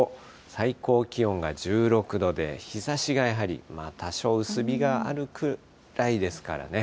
最高気温が１６度で、日ざしがやはり多少薄日があるくらいですからね。